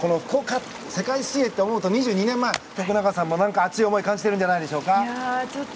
世界水泳って言うと２２年前、徳永さんも熱い思いを感じてるんじゃないですか？